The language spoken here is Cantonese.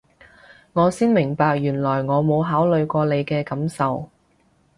我先明白原來我冇考慮過你嘅感受